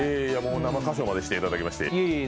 生歌唱までしていただきまして。